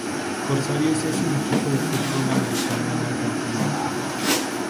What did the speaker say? Corsarios es un equipo de fútbol americano de Argentina.